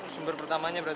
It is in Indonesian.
sumber pertamanya berarti